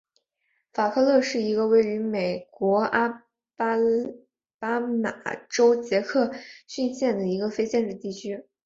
法克勒是一个位于美国阿拉巴马州杰克逊县的非建制地区。